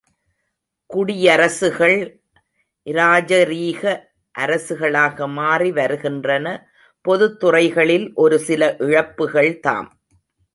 குடியரசுகள் இராஜரீக அரசுகளாக மாறி வருகின்றன, பொதுத்துறைகளில் ஒரு சில இழப்புக்கள் தாம்!